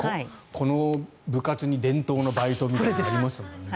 この部活の伝統のバイトみたいなのありますよね。